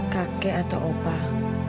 kakek atau opah